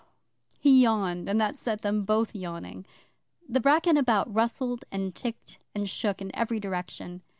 He yawned, and that set them both yawning. The bracken about rustled and ticked and shook in every direction.